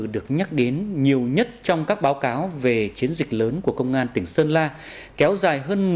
được nhắc đến nhiều nhất trong các báo cáo về chiến dịch lớn của công an tỉnh sơn la kéo dài hơn